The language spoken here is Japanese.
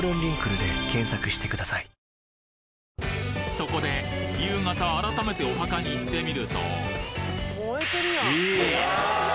そこで夕方改めてお墓に行ってみるとえ！？